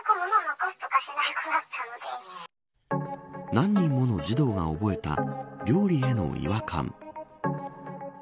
何人もの児童が覚えた料理への違和感。